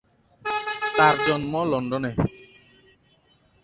তার জন্ম লন্ডনে।